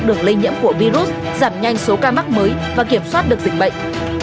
đường lây nhiễm của virus giảm nhanh số ca mắc mới và kiểm soát được dịch bệnh